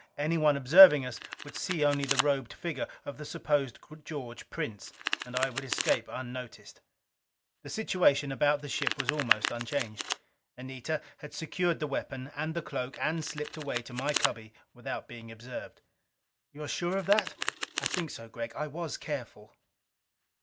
Anyone observing us would see only the robed figure of the supposed George Prince, and I would escape unnoticed. The situation about the ship was almost unchanged. Anita had secured the weapon and the cloak and slipped away to my cubby without being observed. "You're sure of that?" "I think so, Gregg. I was careful."